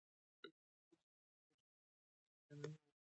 ټولنه باید د ښځو حقونو ته درناوی وکړي.